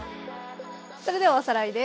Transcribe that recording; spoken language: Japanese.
それではおさらいです。